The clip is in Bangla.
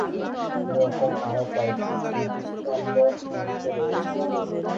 এরকম আরও কয়েকটি স্মৃতিস্তম্ভ ইউরোপে রয়েছে।